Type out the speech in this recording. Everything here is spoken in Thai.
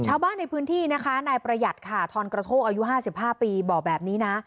ชาวบ้านในพื้นที่นะคะนายประหยัดค่ะทอนกระโทกอายุ๕๕ปีบอกแบบนี้นะ